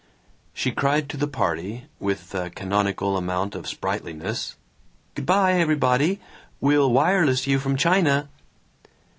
She cried to the party, with the canonical amount of sprightliness, "Good by, everybody. We'll wireless you from China."